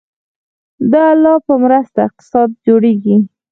د الله په مرسته اقتصاد جوړیږي